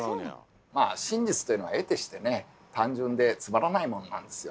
まあ真実というのはえてしてね単純でつまらないものなんですよ。